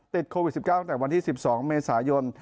ติดโควิด๑๙ตั้งแต่วันที่๑๒เมษายน